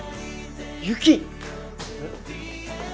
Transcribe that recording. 雪！